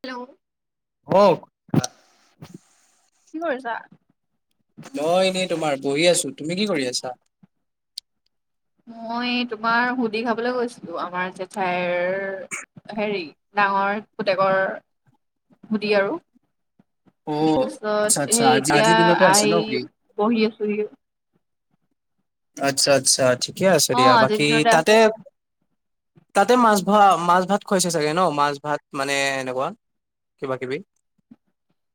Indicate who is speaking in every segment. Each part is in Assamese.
Speaker 1: হেল্ল'।
Speaker 2: অ'।
Speaker 1: কি কৰিছা?
Speaker 2: মই এনেই তোমাৰ বহি আছো, তুমি কি কৰি আছা?
Speaker 1: মই তোমাৰ হুদি খাবলৈ গৈছিলো। আমাৰ জেঠাইৰ হেৰি ডাঙৰ পুতেকৰ হুদি আৰু। তাৰ
Speaker 2: অ' আচ্ছা
Speaker 1: পিছত
Speaker 2: আচ্ছা
Speaker 1: সেই
Speaker 2: আজি
Speaker 1: এতিয়া
Speaker 2: আজিৰ দিনতে আছে ন
Speaker 1: আহি
Speaker 2: ফ্ৰী?
Speaker 1: বহি আছোহি।
Speaker 2: আচ্ছা আচ্ছা ঠিকে আছে
Speaker 1: অ
Speaker 2: দিয়া।
Speaker 1: আজিৰ
Speaker 2: বাকী
Speaker 1: দিনতে আছে
Speaker 2: তাতে তাতে মাছ ভা মাছ ভাত খুৱাইছে চাগে ন মাছ ভাত মানে এনেকুৱা। কিবা কিবি।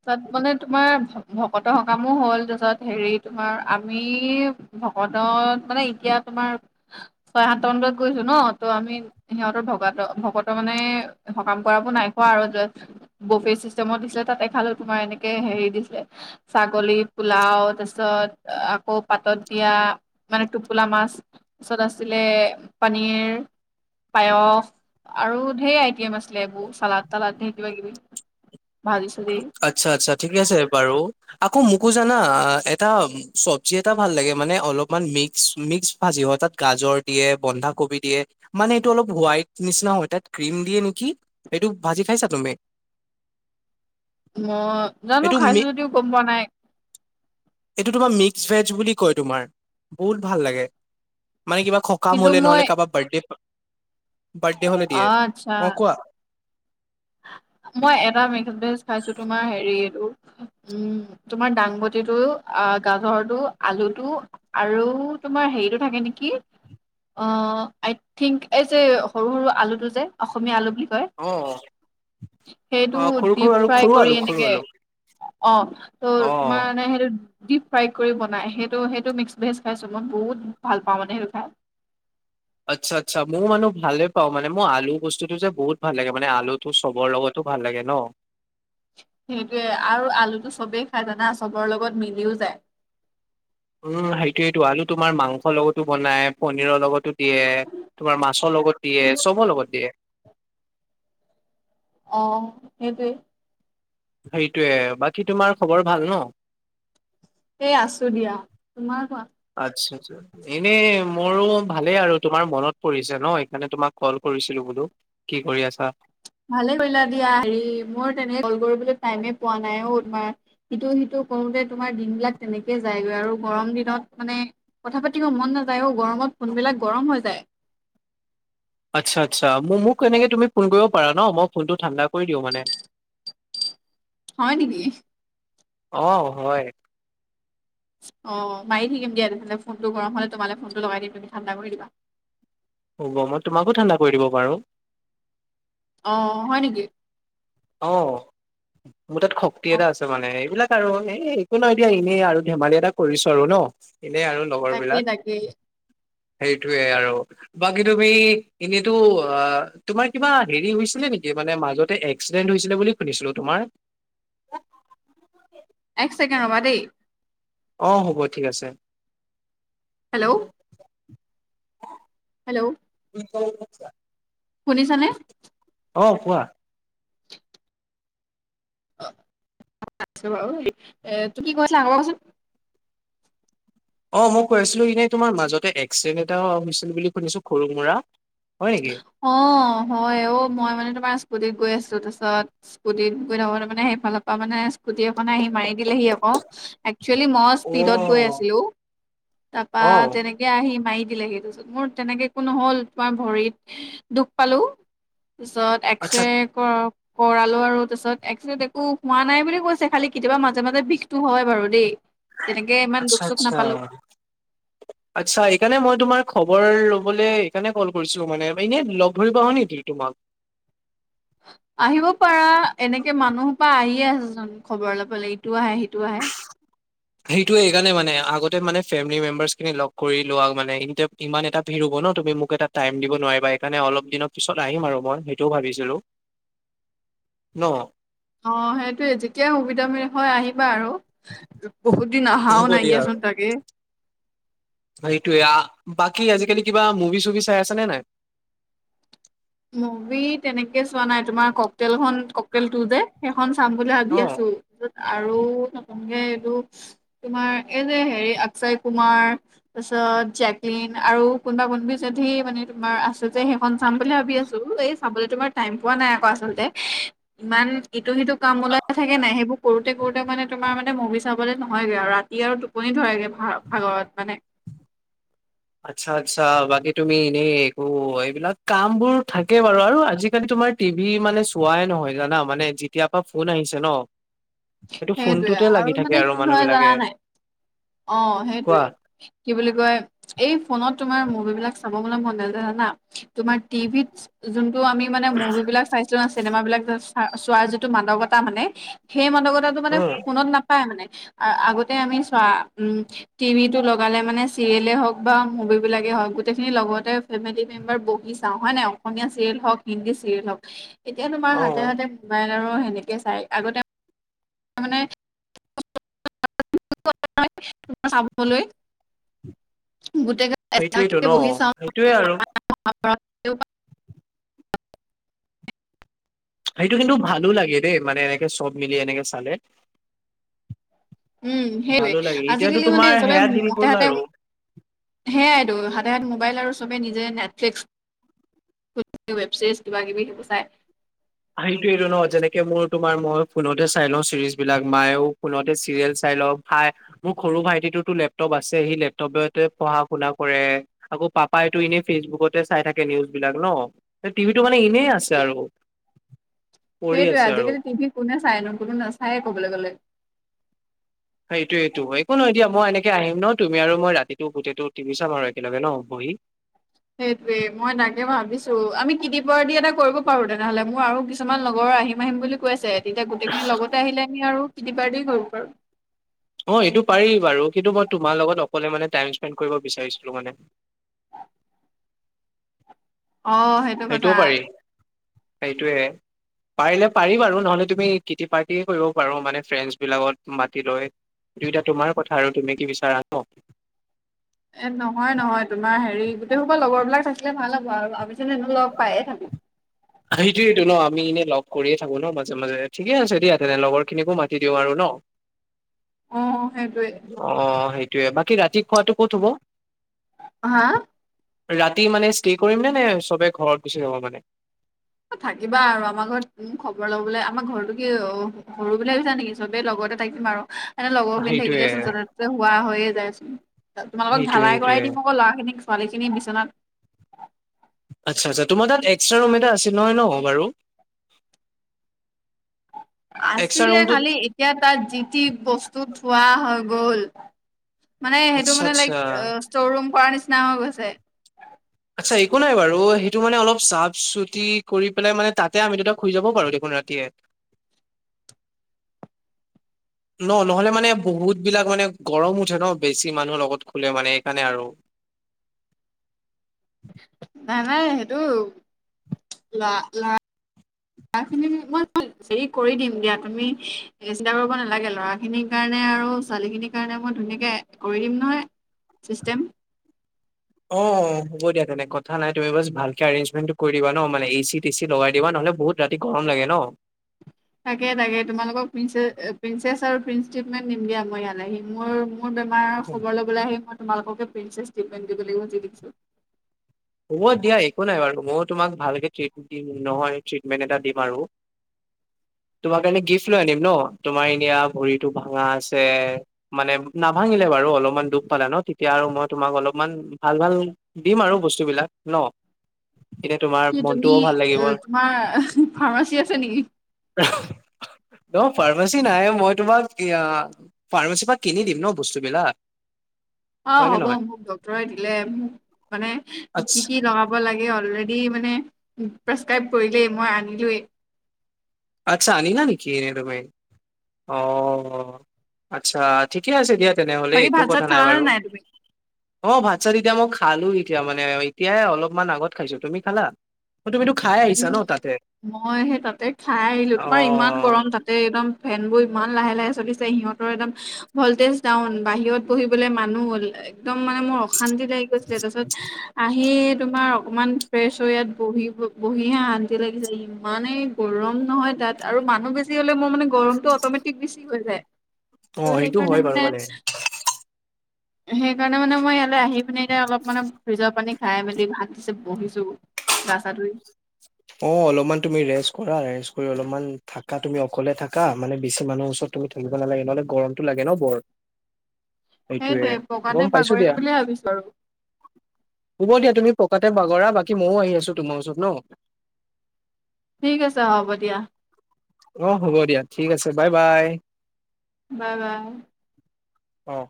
Speaker 1: তাত মানে তোমাৰ ভকত সকামো হ'ল। তাৰপিছত হেৰি তোমাৰ আমি ভকতক মানে এতিয়া তোমাৰ ছয় সাতটা মান বজাত গৈছোঁ ন। ত' আমি সিহঁতৰ ভকত ভকত মানে সকাম কৰাবোৰ নাই কোৱা আৰু বোফে চিষ্টেমত দিছিলে তাত ফালত তোমাৰ এনেকে হেৰি দিছিলে ছাগলী পোলাও তাৰপিছত আকৌ পাতত এতিয়া মানে টোপোলা মাছ তাৰ পিছত আছিলে পনীৰ। পায়স আৰু ধে আইটেম আছিলে এইবোৰ চালাদ তালাদ ধে কিবা কিবি। [inaudible]
Speaker 2: আচ্ছা আচ্ছা ঠিকে আছে বাৰু। আকৌ মোকো জানা এটা চব্জি এটা ভাল লাগে মানে অলপমান মিক্স মিক্স ভাজি হোৱা তাত গাজৰ দিয়ে বন্ধাকবি দিয়ে মানে এইটো অলপ হোৱাইট নিচিনা হয় তাত ক্ৰীম দিয়ে নেকি! এইটো ভাজি খাইছা তুমি?
Speaker 1: মই জানো
Speaker 2: এইটো
Speaker 1: খাইছো
Speaker 2: মি
Speaker 1: যদিও গ'ম পোৱা নাই।
Speaker 2: এইটো তোমাৰ মিক্সড ভেজ বুলি কয় তোমাৰ বহুত ভাল লাগে। মানে কিবা খকাম
Speaker 1: কিন্তু
Speaker 2: হ'লে
Speaker 1: মই
Speaker 2: নহ'লে কাবাৰ বাৰ্থডে বাৰ্থডে হ'লে
Speaker 1: অ
Speaker 2: দিয়ে,
Speaker 1: আচ্ছা
Speaker 2: অ' কোৱা
Speaker 1: [inaudible] মই এটা মিক্স ভেজ খাইছো তোমাৰ হেৰি এইটো উম তোমাৰ দাংবতিটো অ', গাজৰটো আলুটো আৰু তোমাৰ হেৰিটো থাকে নেকি? অ', আই থিংক এই যে সৰু সৰু আলুটো যে অসমীয়া আলু বুলি কয়।
Speaker 2: অ'। অ
Speaker 1: সেইটো
Speaker 2: সৰু সৰু
Speaker 1: ডিপ
Speaker 2: আলু
Speaker 1: ফ্ৰাই
Speaker 2: সৰু
Speaker 1: কৰি
Speaker 2: আলু সৰু
Speaker 1: এনেকে।
Speaker 2: আলু
Speaker 1: অ', ত'
Speaker 2: অ
Speaker 1: তোমাৰ মানে হেইটো ডিপ ফ্ৰাই কৰি বনাই। সেইটো সেইটো মিক্স ভেজ খাইছোঁ মই বহুত ভাল পাওঁ মানে সেইটো খাই
Speaker 2: আচ্ছা আচ্ছা মোৰ মানে ভালে পাওঁ মানে মোৰ আলু বস্তুতটো যে বহুত ভাল লাগে মানে আলুটো চবৰ লগত ভাল লাগে ন।
Speaker 1: সেইটোৱে আৰু আলুটো চবেই খাই জানা চবৰ লগত মিলিও যায়।
Speaker 2: উম, সেইটোয়েটো আলু তোমাৰ মাংসৰ লগতো বনাই পনিৰৰ লগতো দিয়ে তোমাৰ মাছৰ লগত দিয়ে চবৰ লগত দিয়ে।
Speaker 1: অহ সেইটোৱে।
Speaker 2: সেইটোৱে বাকী তোমাৰ খবৰ ভাল ন?
Speaker 1: এই আছো দিয়া, তোমাৰ কোৱা?
Speaker 2: আচ্ছা আচ্ছা এনেই মোৰো ভালে আৰু তোমাৰ মনত পৰিছে ন সেইকাৰণে তোমাক ক'ল কৰিছিলো। সুধো কি কৰি আছা।
Speaker 1: ভালে কৰিলা দিয়া। হেৰি মোৰ তেনেকে কল কৰিবলৈ টাইমে পোৱা নাই অ' তোমাৰ সিটো সিটো কৰোতে তোমাৰ দিনবিলাক তেনেকে যায়গৈ আৰু গৰম দিনত মানে কথা পাতিব মন নাযায় অ' গৰ ত ফোনবিলাক গৰম হৈ যায়।
Speaker 2: আচ্ছা আচ্ছা মোক মোক এনেকে তুমি ফোন কৰিব পাৰা ন মই ফোনটো ঠাণ্ডা কৰি দিওঁ মানে।
Speaker 1: হয় নেকি?
Speaker 2: আহ হয়।
Speaker 1: অ', মাৰি থাকিম দিয়া তেনেহ'লে ফোনটো গৰম হ'লে তোমালে ফোনটো লগাই দিম তুমি ঠাণ্ডা কৰি দিবা।
Speaker 2: হ'ব। মই তোমাকো ঠাণ্ডা কৰি দিব পাৰো।
Speaker 1: অ' হয় নেকি?
Speaker 2: অ' মোৰ তাত শক্তি
Speaker 1: অ
Speaker 2: এটা আছে, মানে এইবিলাক আৰু এ, একো নাই দিয়া, এনেই আৰু ধেমালি এটা কৰিছোঁ আৰু ন'। এনেই আৰু
Speaker 1: তাকেই
Speaker 2: লগৰবিলাক
Speaker 1: তাকেই
Speaker 2: সেইটোৱে আৰু, বাকী তুমি এনেটো অ' তোমাৰ কিবা হেৰি হৈছিলে নেকি? মানে মাজতে এক্সিডেন্ট হৈছিলে বুলি শুনিছিলোঁ তোমাৰ।
Speaker 1: এক চেকেণ্ড ৰবা দেই।
Speaker 2: অ' হ'ব ঠিক আছে।
Speaker 1: হেল্ল'। হেল্ল'।
Speaker 2: [unintelligible]
Speaker 1: শুনিছানে?
Speaker 2: অ' কোৱা?
Speaker 1: [unintelligible] এ, তুমি কোৱাচোন আকৌ কোৱাচোন?
Speaker 2: অ' মই কৈ আছিলোঁ এনেই তোমাৰ মাজতে এক্সিডেণ্ট এটা হৈছিল বুলি শুনিছোঁ সৰু মুৰা। হয় নেকি?
Speaker 1: অ' হয় অ' মই মানে তোমাৰ স্কুটিত গৈ আছোঁ তাৰপিত স্কুটিত গৈ থাকোতে মানে সেইফালৰপৰা মানে স্কুটি এখন আহি মাৰি দিলেহি আকৌ। ম, একচুৱেলি মই স্পীডত গই
Speaker 2: অ'।
Speaker 1: আছিলোঁ, টাপা
Speaker 2: অ',
Speaker 1: তেনেকে আহি মাৰি দিলেহি, তাৰপিছত মোৰ তেনেকে একো নহ'ল, তোমাৰ ভৰিত দুখ পালোঁ। পিছত
Speaker 2: আচ্ছা,
Speaker 1: এক্সৰে কৰক কৰালোঁ আৰু তাৰপাছত এক্সৰেত একো হোৱা নাই বুলি কৈছে, খালি কেতিয়াবা মাজে মাজে বিষটো হয় বাৰু দেই। তেনেকে ইমান দুখ
Speaker 2: আচ্ছা
Speaker 1: চুখ
Speaker 2: আচ্ছা।
Speaker 1: নাপালো
Speaker 2: আচ্ছা এইকাৰণে মই তোমাৰ খব খবৰ ল'বলৈ সেইকাৰণে কল কৰিছোঁ। মানে এনে লগ ধৰিবা হয় নে ত' তোমাক।
Speaker 1: আহিব পাৰা এনেকে মানুহৰপা আহি ঠিকে আছেচোন খবৰ লবলে, ইটো আহে সিটো আহে।
Speaker 2: সেইটোয়ে সেইকাৰণে মানে আগতে মানে ফেমিলি মেম্বাৰ্চখিনি লগ কৰি লোৱা মানে ইমান এটা ৰব ন' তুমি মোক এটা টাইম দিব নোৱাৰিবা হেইকাৰনে অলপ দিনৰ পিছত আহিম আৰু মই সেইটোও ভাবিছিলোঁ।
Speaker 1: [inaudible]
Speaker 2: ন'?
Speaker 1: অ' সেইটোৱেই, যেতিয়া সুবিধা মেলি হয় আহিবা আৰু। বহুত দিন
Speaker 2: হ'ব
Speaker 1: আহাও নাই
Speaker 2: দিয়া আৰু
Speaker 1: দিয়াচোন তাকে।
Speaker 2: সেইটোয়ে, আ, বাকী আজিকালি কিবা মুভি চুভি চাই আছ নে নাই?
Speaker 1: মুভি তেনেকে চোৱা নাই, তোমাৰ ককটলখন ককটেল টো যে সেইখন চাম বুলি ভাবি
Speaker 2: অ'।
Speaker 1: আছোঁ। আৰু নতুনকে এইটো তোমাৰ এই যে হেৰি অক্ষয় কুমাৰ, তাৰছত জেকলিন আৰু কোনোবা কোনবি যদি মানে তোমাৰ আছে যে সেইখন চাম বুলি ভাবি ভাবি আছোঁ, এই চাব তোমাৰ টাইম নাই আকৌ আচলতে, ইমান ইটো সিটো কাম ওলাই থাকে নাই, সেইবোৰ কৰোঁতে কৰোঁতে মানে তোমাৰ মানে মানে মভি চাবলে নহয়গে আৰু ৰাতি আৰু টোপনি ধৰেগে ভা-ভাগৰত মানে।
Speaker 2: আচ্ছা আচ্ছা, বাকী তুমি এনে একো এইবিলাক কামবোৰ থাকে বাৰু আৰু আজিকালি তোমাৰ টিভি মানে চোৱাই নহয় জানা, মানে যেতিয়াৰ পৰা ফোন আহিছে ন'। সেইটো
Speaker 1: সেইটোৱে
Speaker 2: ফোনটোতে লাগি
Speaker 1: আৰু
Speaker 2: থাকে
Speaker 1: মানে কি
Speaker 2: মানুহ
Speaker 1: হয়
Speaker 2: বিলাকে
Speaker 1: জাননা নাই? অ' সেইটোৱে
Speaker 2: কোৱা
Speaker 1: কি বুলি কয় এই কি ফোনত তোমাৰ মুভিবিলাক চাব গলে মন নাযায় জানা? তোমাৰ টিভিত জোনটো আমি মানে মভি গৈ পেলাই চাইছোঁ না চিনেমাবিলাক যে চোৱা যিটো মানবতা মানে সেই মান টো মানে
Speaker 2: উম
Speaker 1: ফোনত নাপায় মানে, আগতে আমি চোৱা উ, টিভিটো লগালে মানে চিৰিয়ালে হওক বা মুভিবিলাকে হওক গোটেইখিনি লগতে ফেমি বাৰ বহি চাও হয় নাই, অসমীয়া চিৰিয়েল হওঁক, হিন্দী চিৰিয়েল হওঁক এতিয়া তোমাৰ
Speaker 2: অ
Speaker 1: হাতে হাতে মোবাইল আৰু সেনেকে চাই আগতে তাৰমানে [unintelligible] [unintelligible] চাবলৈ। গোটেই
Speaker 2: সেইটোয়েইটো ন
Speaker 1: এচাকে বহি
Speaker 2: সেইটোয়ে আৰু
Speaker 1: চাওঁ [unintelligible] [unintelligible]
Speaker 2: সেইটো কিন্তু ভালো লাগে দেই মানে এনেকে চব মিলি এনেকে চালে।
Speaker 1: উম সেইটোয়ে
Speaker 2: ভালো লাগে এতিয়াতো
Speaker 1: আজিকালি মানে
Speaker 2: তোমাৰ
Speaker 1: চবে
Speaker 2: সেয়া দিন গ'ল
Speaker 1: তহাতে
Speaker 2: আৰু
Speaker 1: সেয়াই হাতে হাতে মোবাইল আৰু চবে নিজে নেটফ্লিক্স ৱেব ছিৰিজ কিবা কিবি সব চাই।
Speaker 2: সেইটোয়েইটো ন যেনেকে মোৰ তোমাৰ মই ফোনতে চাই ল চিৰিজ বিলাক মায়েও ফোনতে চিৰিয়েল চাই। ভাই মোৰ সৰু ভাইটিটোতো লেপটপ আছে সি লেপটপতে পঢ়া শুনা কৰে আকৌ পাপাইতো এনেই ফেচবুকতে চাই থাকে নিউজ বিলাক ন টিভি টো মানে এনেই আছে আৰু। পৰি
Speaker 1: সেইটোয়ে
Speaker 2: আছে আৰু
Speaker 1: আজিকালি টিভি কোনে চাই নো কোনো নাচায়ে ক'বলৈ গ'লে
Speaker 2: সেইটোয়েটো একো নহয় দিয়া মই এনেকে আহিম ন তুমি আৰু মই ৰাতিতো গোটেইটো টিভি চাম আৰু একেলগে ন। [unintelligible]
Speaker 1: সেইটোয়ে মই তাকে ভাবিছো আমি কিতিপাৰ্টি এটা কৰিব পাৰো তেনেহ'লে মোৰ আৰু কিছুমান লগৰ আহিম আহিম বুলি কৈছে তেতিয়া গোটেইখিনি লগতে আহিলে আমি আৰু কিতিপাৰ্টি কৰিব পাৰো।
Speaker 2: অ' এইটো পাৰি বাৰু কিন্তু মই তোমাৰ লগত অকলে মানে টাইম স্পেণ্ড কৰিব বিচাৰিছিলোঁ মানে।
Speaker 1: অ', সেইটো কথা।
Speaker 2: সেইটোও পাৰি সেইটোয়ে। পাৰিলে পাৰি বাৰু নহলে তুমি কিটি পাৰ্টি কৰিব পাৰো মানে ফ্ৰেণ্ডছ বিলাকত মাতি লৈ। দুইটা তোমাৰ কথা আৰু তুমি কি বিচাৰা ন।
Speaker 1: এ নহয় নহয় তোমাৰ হেৰি গোটেই সোব লগৰবিলাক থাকিলে ভাল হ'ব আৰু আমি চোন এনো লগ পায়ে থাকো। [inaudible]
Speaker 2: সেইটোয়েইটো ন আমি এনেই লগ কৰিয়ে থাকো ন মাজে মাজে ঠিকে আছে দিয়া তেনে লগৰ খিনিকো মাতি দিওঁ আৰু ন।
Speaker 1: অ' সেইটোৱে।
Speaker 2: সেইয়ে বাকী ৰাতি খোৱাটো ক'ত হ'ব?
Speaker 1: হা
Speaker 2: ৰাতি মানে ষ্টে কৰিম নে নে চবে ঘৰত গুচি যাব মানে।
Speaker 1: থাকিবা আৰু আমাৰ ঘৰত উ খবৰ লবলে আমাৰ ঘৰতটো‌ কি অ' সৰু বুলি ভাবিছা নেকি চবে লগৰ লগতে থাকিম আৰু। এনে লগৰ খিনি
Speaker 2: সেইটোয়ে।
Speaker 1: থাকিলেচোন ত'তে ততে হোৱা হৈয়ে যায়চোন তোমালোকক
Speaker 2: সেইটোয়ে
Speaker 1: ঢালাই
Speaker 2: সেইটোয়ে
Speaker 1: কৰাই দিম আকৌ ল'ৰা খিনিক ছোৱালীখিনি বিচনাত
Speaker 2: আচ্ছা আচ্ছা তোমাৰ তাত এক্সট্ৰা ৰুম এটা আছিল নহয় ন বাৰু
Speaker 1: [inaudible]
Speaker 2: এক্সট্ৰা
Speaker 1: আছিলে
Speaker 2: ৰুমটোত
Speaker 1: খালি এতিয়া তাত যি টি বস্তু থোৱা হৈ গ'ল। মানে সেইটো
Speaker 2: আচ্ছা
Speaker 1: মানে লাইক
Speaker 2: আচ্ছা
Speaker 1: অ' ষ্টৰ ৰুম কৰ নিচিনা হৈ গৈছে।
Speaker 2: আচ্ছা একো নাই বাৰু সেইটো মানে অলপ চাফ চুতি কৰি পেল মানে তাতে আমি দুটা খুই যাব পাৰো দেখোন ৰাতিয়ে [unintelligible]
Speaker 1: [inaudible]
Speaker 2: ন নহলে মানে বহুত বিলাক মানে গৰম উঠে ন বেছি মানুহৰ লগত শুলে মানে সেইকাৰণে আৰু
Speaker 1: [inaudible] নাই নাই সেইটো লা লা মই হেৰি কৰি দিম দিয়া তুমি চিন্তা কৰিব নালাগে ল'ৰা খিনিৰ কাৰণে আৰু ছোৱালী খিনিৰ কাৰণে মই ধুনীয়াকৈ কৰি দিন নহয় চিষ্টেম।
Speaker 2: অ' হ'ব দিয়া তেনে কথা নাই তুমি বছ ভালকে এৰেজমেন্টটো কৰি দিবা ন মানে এ চি টে চি লগাই দিবা ন। বহুত ৰাতি গৰম লাগে ন।
Speaker 1: তাকে তাকে তোমালোকক প্ৰিনচেছ প্ৰিনচেছ আৰু প্ৰিন্স‌ ট্ৰিটমেণ্ট দিম দিয়া মই ইয়ালে আহি মোৰ মোৰ বেমাৰৰ খবৰ ল'বলৈ আহি মই তোমালোককে প্ৰিন্চেছ ট্ৰিটমেণ্ট দিব লাগিব যি দেখিছো।
Speaker 2: হ'ব দিয়া একো নাই বাৰু মইয়ো তোমাক ভালকে দিম নহয় ট্ৰিটমেণ্ট এটা দিম আৰু।
Speaker 1: [inaudible]
Speaker 2: তোমাৰ কাৰণে গিফ্ট লৈ আনিম ন তোমাৰ এনেয়া ভৰিতটো ভাঙা আছে মানে নাভাঙিলে বাৰু। [unintelligible] বস্তু বিলাক ন এতিয়া তোমাৰ
Speaker 1: এ তুমি
Speaker 2: মনটোও ভাল লাগিব
Speaker 1: তোমাৰ ফাৰ্মাচী আছে নেকি
Speaker 2: ন পাৰ্মাচি নাই মই তোমাক ফাৰ্মাচীৰ পৰা কিনি দিম ন বস্তুবলাক
Speaker 1: অ হ'ব মোক ডক্তৰে দিলেোক মানে কি
Speaker 2: আচ্ছা
Speaker 1: কি লগাব লাগে অল য মান প্ৰাচকাইব কৰিলে মই আনিলো
Speaker 2: আচ্ছা অনিলা নেকি তুমি অ আচ্ছা ঠিকে আছে দিয়া তেনেহলে
Speaker 1: বাকী
Speaker 2: একো
Speaker 1: ভাত
Speaker 2: কথা
Speaker 1: চাত
Speaker 2: নাই
Speaker 1: খালানে
Speaker 2: বাৰু
Speaker 1: তুমি
Speaker 2: অ ভাত চাত তেতিয়া মই খালো এতিয়া মানে এতিয়াই অলপমান আগত খাইছো তুমি খালা অ তুমিতো খাই আহিছা
Speaker 1: উম
Speaker 2: ন তাতে
Speaker 1: মই সেই তাতে খাই আহিলো
Speaker 2: অ
Speaker 1: তোমাৰ ইমান গৰম তাতে একদম ফেন বোৰ ইমান লাহে লাহে চলিছে সিহঁতৰ একদম ভল্টেজ ডাউন বাহিৰত বহিবলে মানু হ'ল এক্দম মানে মোৰ অশান্তি লাগি গৈছিলে তাৰপিছত আহি তোমাৰ অকমান ফ্ৰেছৰ ইয়াত বহিব বঢ়িহা শান্তি লাগিছে ইমানেই গৰম নহয় তাত আৰু মানুহ বেছি মানে গৰমটো অ'মেটিক বেছি হৈ যায়
Speaker 2: অ সেইটো
Speaker 1: সেইকাৰণে
Speaker 2: হয় বাৰু
Speaker 1: মানে সেইকাৰণে মানে মই ইয়ালৈ আহি পিনে এতিয়া অলপ মানে ফ্ৰিজৰ পানী খাই মেলি ভাত দিছে বহিছো গাছা ছা ধুই
Speaker 2: অ অলপমান তুমি ৰেষ্ট কৰা ৰেষ্ট কৰি অলপমান থাকা তুমি অকলে থাকা মানে বেছি মানুহৰ ওচৰত তুমি থাকিব নালাগে নহলে গৰমটো লাগে ন বৰ
Speaker 1: [inaudible]
Speaker 2: সেইটোয়ে
Speaker 1: সেইটোৱে পকাতে
Speaker 2: গম পাইছো
Speaker 1: বাগৰিম
Speaker 2: দিয়া
Speaker 1: বুলি ভাবিছো আৰু
Speaker 2: হব দিয়া তুমি তাতে বাগৰা বাকী ময়ো আহি আছো তোমাৰ ওচৰত ন
Speaker 1: ঠিক আছে হ'ব দিয়া
Speaker 2: অ হ'ব দিয়া ঠিক আছে বাই বাই
Speaker 1: বাই বাই
Speaker 2: অহ